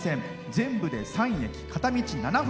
全部で３駅、片道７分。